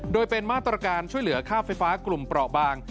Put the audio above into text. โดยเป็นมาตรการช่วยเหลือค่าไฟฟ้ากลุ่มเปราะบาง